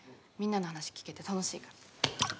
みんなの話聞けて楽しいから